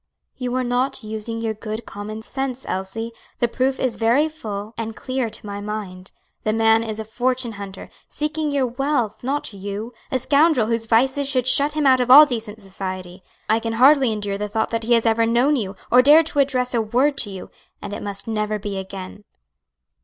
"You are not using your good common sense, Elsie; the proof is very full and clear to my mind. The man is a fortune hunter, seeking your wealth, not you; a scoundrel whose vices should shut him out of all decent society. I can hardly endure the thought that he has ever known you, or dared to address a word to you, and it must never be again."